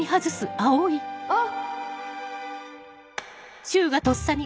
あっ！